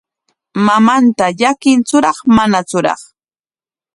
¿Mamanta llakintsuraq manatsuraq?